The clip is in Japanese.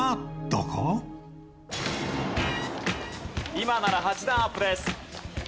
今なら８段アップです。